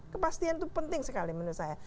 kepastian itu penting sekali menurut saya